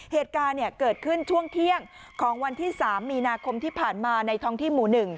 เหตุการณ์เกิดขึ้นช่วงเที่ยงของวันที่๓มีนาคมที่ผ่านมาในท้องที่หมู่๑